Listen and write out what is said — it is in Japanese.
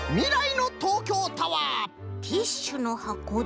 ティッシュのはこと。